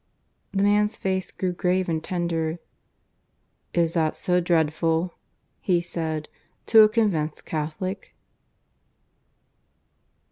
The man's face grew grave and tender. "Is that so dreadful," he said, "to a convinced Catholic?"